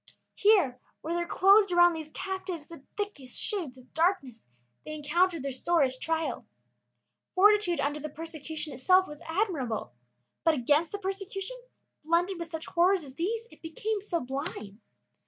Here, where there closed around these captives the thickest shades of darkness, they encountered their sorest trial. Fortitude under the persecution itself was admirable; but against the persecution, blended with such horrors as these, it became sublime.